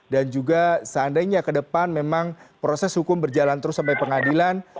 dan juga seandainya ke depan memang proses hukum berjalan terus sampai pengadilan